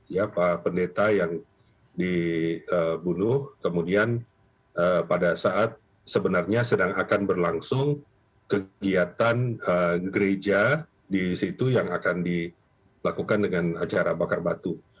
ya pendeta yang dibunuh kemudian pada saat sebenarnya sedang akan berlangsung kegiatan gereja di situ yang akan dilakukan dengan acara bakar batu